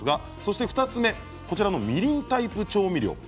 ２つ目はみりんタイプ調味料です。